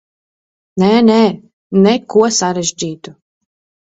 Nē, nē, neko sarežģītu.